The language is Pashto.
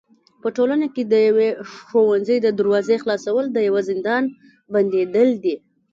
په ټولنه کي د يوي ښوونځي د دروازي خلاصول د يوه زندان بنديدل دي.